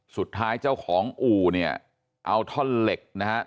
เจ้าของอู่เนี่ยเอาท่อนเหล็กนะฮะ